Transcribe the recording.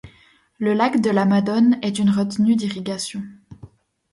Le lac de la Madone est une retenue d'irrigation.